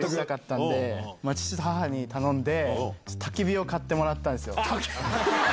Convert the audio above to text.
父と母に頼んで、たき火を買ってもらったんですよ。